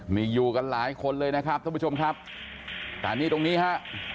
นี่อยู่กันหลายคนเลยนะครับท่านผู้ชมครับแต่นี่ตรงนี้ฮะ